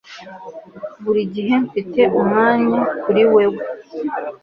Buri gihe mfite umwanya kuri wewe